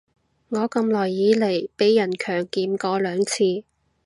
我咁耐以來被人強檢過兩次